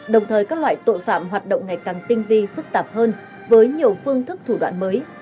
đồng thời các loại tội phạm hoạt động ngày càng tinh vi phức tạp hơn với nhiều phương thức thủ đoạn mới